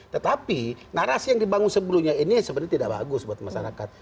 tetapi narasi yang dibangun sebelumnya ini sebenarnya tidak bagus buat masyarakat